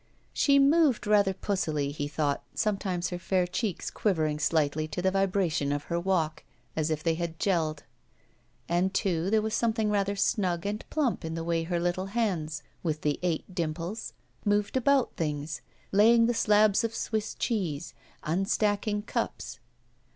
She moved rather pussily, he thought, sometimes her fair cheeks quivering slightly to the vibration of her walk, as if they had jelled. And, too, there was something rather snug and plump in the way her little hands with the eight dimples moved about things, lajring the slabs of Swiss cheese, unstaddng cups.